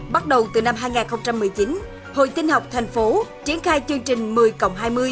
bắt đầu từ năm hai nghìn một mươi chín hội tinh học thành phố triển khai chương trình một mươi cộng hai mươi